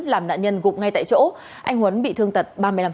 làm nạn nhân gục ngay tại chỗ anh huấn bị thương tật ba mươi năm